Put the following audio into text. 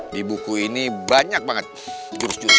di buku ini banyak banget jurus jurus